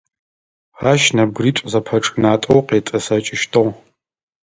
Ащ нэбгыритӏу зэпэчӏынатӏэу къетӏысэкӏыщтыгъ.